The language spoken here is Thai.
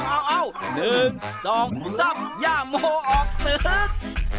หนึ่งสองสามย่าโมออกศึก